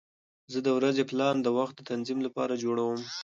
زه د ورځې پلان د وخت د تنظیم لپاره جوړوم.